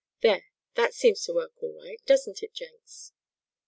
There, it seems to work all right, doesn't it, Jenks?"